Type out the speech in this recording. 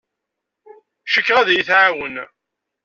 Cikkeɣ ad iyi-tɛawen.